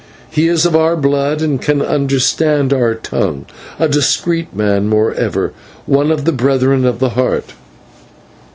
He is of our blood, and can understand our tongue, a discreet man, moreover, one of the Brethren of the Heart."